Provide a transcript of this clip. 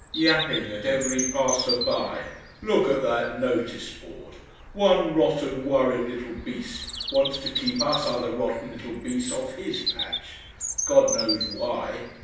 Yapping at every passer by. Look at that notice board! One rotten worried little beast wants to keep us other rotten little beasts off HIS patch, God knows why!